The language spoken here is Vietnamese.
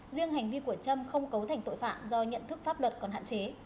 riêng hành vi của trâm không cấu thành tội phạm do nhận thức pháp luật còn hạn chế